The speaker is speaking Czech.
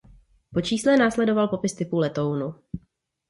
Po čísle následoval popis typu letounu.